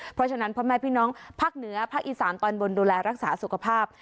เพราะฉะนั้นพ่อแม่พี่น้องภาคเหนือภาคอีสานตอนบนดูแลรักษาสุขภาพ